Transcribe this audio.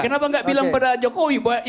kenapa nggak bilang pada jokowi